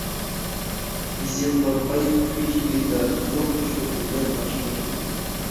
ھېسسىياتقا باي كۈيچى يىگىتلەر زوق- شوقى بىلەن ناخشىغا چۈشەتتى.